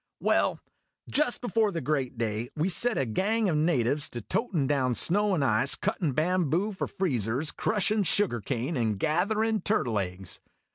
Well, just before the great day we set a gang of natives to totin' down snow and ice, cuttin' bamboo for freezers, crushin' sugar cane, and gatherin' turtle eggs.